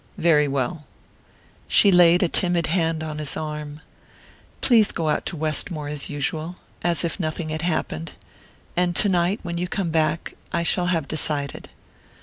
"Very well." She laid a timid hand on his arm. "Please go out to Westmore as usual as if nothing had happened. And tonight...when you come back...I shall have decided."